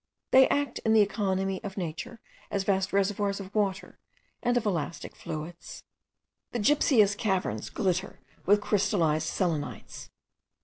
They act in the economy of nature as vast reservoirs of water and of elastic fluids. The gypseous caverns glitter with crystallized selenites.